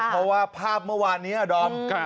เพราะว่าภาพมันวานนี้อะดอม